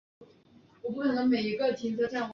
杜伊人口变化图示